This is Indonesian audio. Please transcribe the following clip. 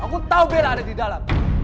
aku tau bella ada didalam